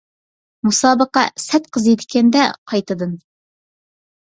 مۇسابىقە سەت قىزىيدىكەن-دە قايتىدىن.